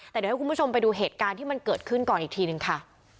แต่เดี๋ยวให้คุณผู้ชมไปดูเหตุการณ์ที่มันเกิดขึ้นก่อนอีกทีนึงค่ะ